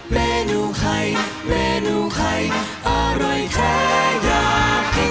เมนูไข่เมนูไข่อร่อยแท้อยากกิน